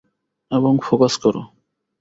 এবং ফোকাস কর।